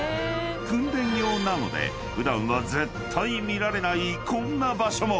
［訓練用なので普段は絶対見られないこんな場所も］